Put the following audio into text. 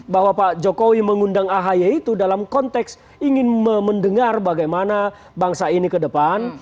bahwa pak jokowi mengundang ahaya itu dalam konteks ingin mendengar bagaimana bangsa ini kedepan